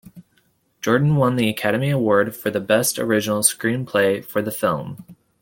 Jordan won the Academy Award for Best Original Screenplay for the film.